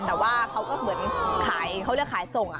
แต่ว่าเขาก็เหมือนขายเขาเรียกขายส่ง